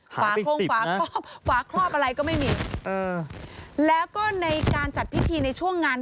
ฝาโค้งฝาครอบฝาครอบอะไรก็ไม่มีเออแล้วก็ในการจัดพิธีในช่วงงาน